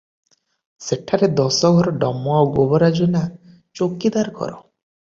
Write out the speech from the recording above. ସେଠାରେ ଦଶଘର ଡମ ଆଉ ଗୋବରା ଜେନା ଚୌକିଦାର ଘର ।